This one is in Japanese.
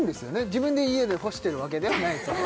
自分で家で干してるわけではないですよね